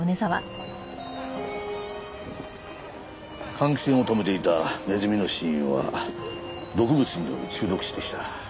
換気扇を止めていたネズミの死因は毒物による中毒死でした。